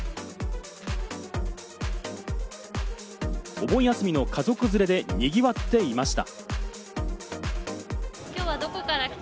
お盆休みの家族連れで賑わっていました。